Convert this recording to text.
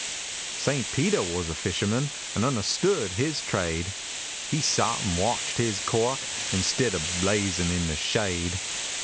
St. Petah wuz a fisherman, an' un'erstood his trade: He sot an' watched his cork, instid ob lazin' in de shade!